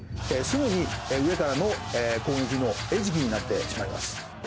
すぐに上からの攻撃の餌食になってしまいます。